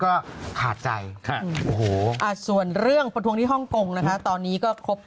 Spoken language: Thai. ขาดใจค่ะโอ้โหอ่าส่วนเรื่องประท้วงที่ฮ่องกงนะคะตอนนี้ก็ครบ